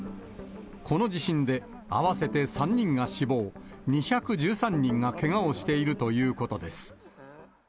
この地震で合わせて３人が死亡、２１３人がけがをしているということです。